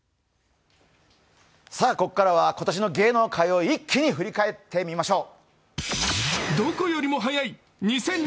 ここからは今年の芸能界を一気に振り返っていきましょう。